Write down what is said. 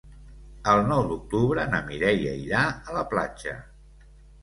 El nou d'octubre na Mireia irà a la platja.